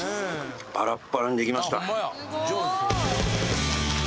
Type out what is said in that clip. パラッパラに出来ました。